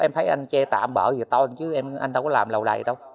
em thấy anh che tạm bỡ thì thôi chứ anh đâu có làm lầu đầy đâu